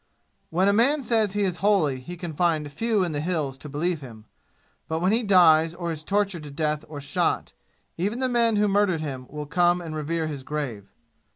When a man says he is holy he can find few in the "Hills" to believe him; but when he dies or is tortured to death or shot, even the men who murdered him will come and revere his grave.